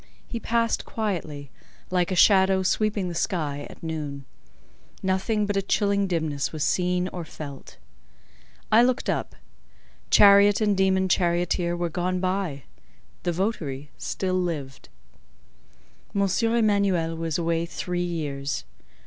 He passed quietly, like a shadow sweeping the sky, at noon. Nothing but a chilling dimness was seen or felt. I looked up. Chariot and demon charioteer were gone by; the votary still lived. M. Emanuel was away three years.